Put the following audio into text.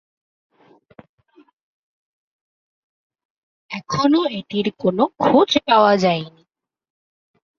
এখনও এটির কোন খোঁজ পাওয়া যায়নি।